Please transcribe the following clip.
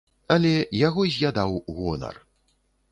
Але яго заядаў гонар.